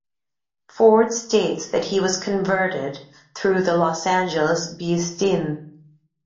Ford states that he was converted through the Los Angeles Beis Din.